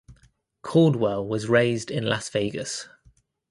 Caldwell was raised in Las Vegas.